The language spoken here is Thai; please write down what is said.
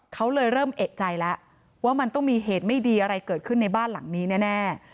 เขาเลยเริ่มเอกใจแล้วว่ามันต้องมีเหตุไม่ดีอะไรเกิดขึ้นในบ้านหลังนี้แน่